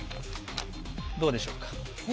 どうでしょうか。